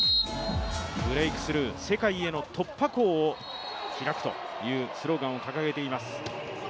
「Ｂｒｅａｋｔｈｒｏｕｇｈ」、世界への突破口を開くというスローガンを掲げています。